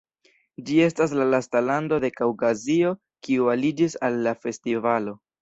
Ĝi estas la lasta lando de Kaŭkazio kiu aliĝis al la festivalo.